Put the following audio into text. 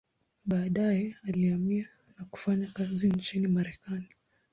Baadaye alihamia na kufanya kazi nchini Marekani.